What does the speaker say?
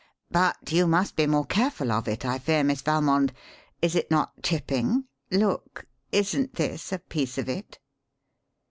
"But you must be more careful of it, I fear, Miss Valmond. Is it not chipping? Look! Isn't this a piece of it?"